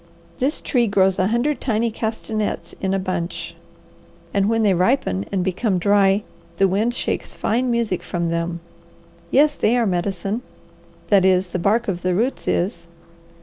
This tree grows a hundred tiny castanets in a bunch, and when they ripen and become dry the wind shakes fine music from them. Yes, they are medicine; that is, the bark of the roots is.